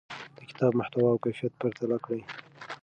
د کتاب محتوا او کیفیت پرتله کړئ.